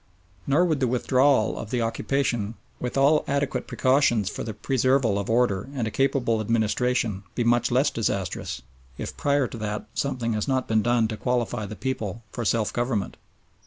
Nor would the withdrawal of the occupation with all adequate precautions for the preserval of order and a capable administration be much less disastrous, if prior to that something has not been done to qualify the people for self government.